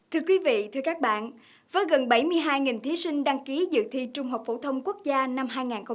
thưa quý vị thưa các bạn với gần bảy mươi hai thí sinh đăng ký dự thi trung học phổ thông quốc gia năm hai nghìn một mươi tám